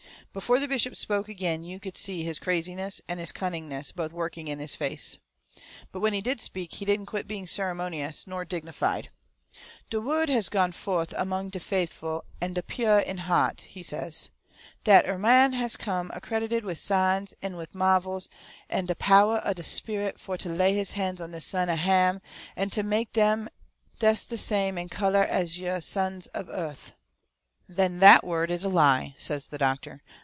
Before the bishop spoke agin you could see his craziness and his cunningness both working in his face. But when he did speak he didn't quit being ceremonious nor dignified. "De wohd has gone fo'th among de faiful an' de puah in heaht," he says, "dat er man has come accredited wi' signs an' wi' mahvels an' de poweh o' de sperrit fo' to lay his han' on de sons o' Ham an' ter make 'em des de same in colluh as de yuther sons of ea'th." "Then that word is a lie," says the doctor.